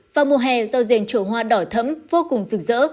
vào mùa hè rau rền trổ hoa đỏ thấm vô cùng rực rỡ